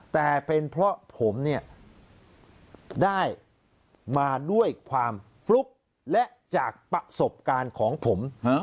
แต่เป็นเพราะผมเนี่ยได้มาด้วยความฟลุกและจากประสบการณ์ของผม